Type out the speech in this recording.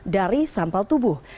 dari sampal tubuh